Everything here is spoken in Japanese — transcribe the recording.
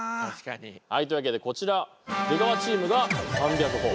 はいというわけでこちら出川チームが３００ほぉ。